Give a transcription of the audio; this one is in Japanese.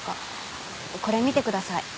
これ見てください。